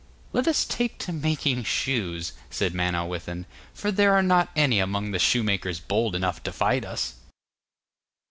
'Let us take to making shoes,' said Manawyddan, 'for there are not any among the shoemakers bold enough to fight us.